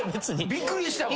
びっくりしたわ。